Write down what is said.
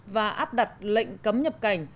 và áp đặt lệnh cấm nhập cảnh